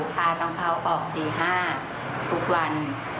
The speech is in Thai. พาน้องเขาออกตี๕ทุกวัน